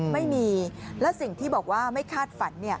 ไม่มีและสิ่งที่บอกว่าไม่คาดฝัน